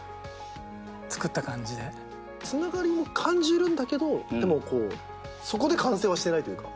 つながりも感じるんだけどでもそこで完成はしてないというか。